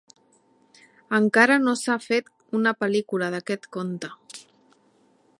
Encara no s'ha fet una pel·lícula d'aquest conte.